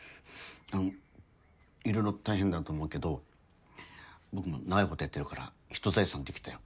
あのいろいろ大変だと思うけど僕も長いことやってるからひと財産できたよ。